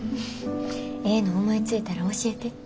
ええの思いついたら教えて。